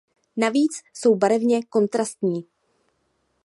Navíc jsou barevně kontrastní.